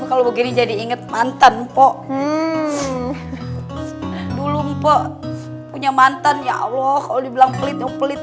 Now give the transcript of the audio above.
kalau begini jadi inget mantan po dulu mpok punya mantan ya allah kalau dibilang pelit yang pelit